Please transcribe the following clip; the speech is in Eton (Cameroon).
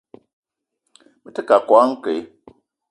Me te keu a koala nke.